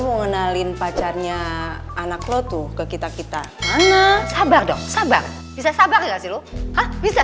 mau ngenalin pacarnya anak lo tuh ke kita kita mana sabar dong sabar bisa sabar ya sih lu bisa